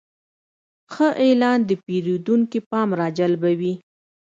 ښه اعلان د پیرودونکي پام راجلبوي.